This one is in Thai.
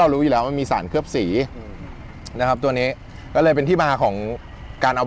รู้อยู่แล้วว่ามีสารเคลือบสีนะครับตัวนี้ก็เลยเป็นที่มาของการเอา